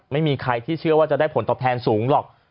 ไม่มีใครที่เชื่อว่าจะได้ผลตอบแทนสูงหรอก